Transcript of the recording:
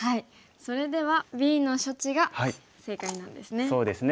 それではＢの処置が正解なんですね。